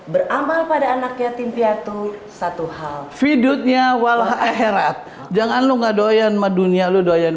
berambal pada anak yatim piatu satu hal vidutnya walah aherat jangan lu nggak doyan madunya lu doyan